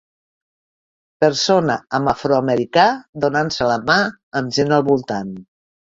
Persona amb afroamericà donant-se la mà amb gent al voltant.